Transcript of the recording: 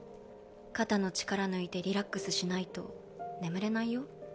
肩の力抜いてリラックスしないと眠れないよ。